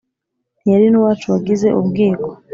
Ntiyari n'uwacu wagize ubwiko